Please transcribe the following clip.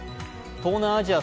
東南アジア